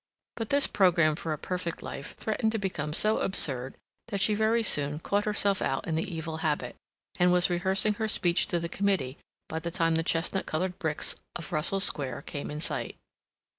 But this program for a perfect life threatened to become so absurd that she very soon caught herself out in the evil habit, and was rehearsing her speech to the committee by the time the chestnut colored bricks of Russell Square came in sight.